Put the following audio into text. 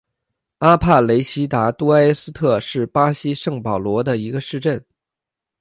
阿帕雷西达多埃斯特是巴西圣保罗州的一个市镇。